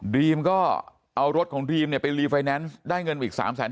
รีมก็เอารถของทีมเนี่ยไปรีไฟแนนซ์ได้เงินอีก๓แสน